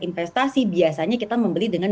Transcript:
investasi biasanya kita membeli dengan